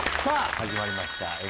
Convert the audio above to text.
さあ始まりました